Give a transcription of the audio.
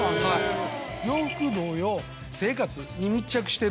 洋服同様生活に密着してるっていう。